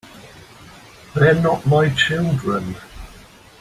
They're not my children.